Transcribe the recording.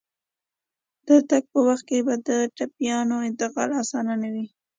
د تګ په وخت کې به د ټپيانو انتقال اسانه نه وي.